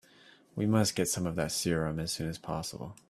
We must get some of that serum as soon as possible.